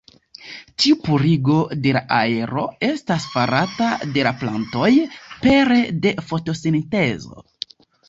Tiu purigo de la aero estas farata de la plantoj pere de fotosintezo.